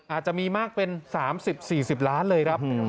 อาจจะมีมากเป็น๓๐๔๐ล้านเลยครับ